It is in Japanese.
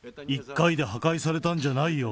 １回で破壊されたんじゃないよ。